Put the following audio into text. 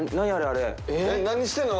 何してんの？